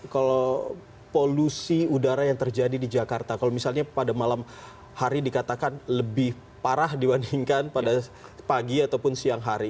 kalau polusi udara yang terjadi di jakarta kalau misalnya pada malam hari dikatakan lebih parah dibandingkan pada pagi ataupun siang hari